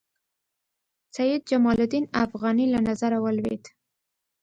سید جمال الدین افغاني له نظره ولوېد.